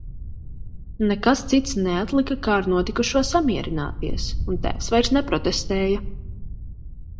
Nekas cits neatlika, kā ar notikušo samierināties, un tēvs vairs neprotestēja.